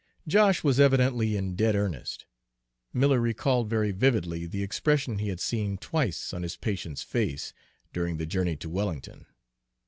Josh was evidently in dead earnest. Miller recalled, very vividly, the expression he had seen twice on his patient's face, during the journey to Wellington.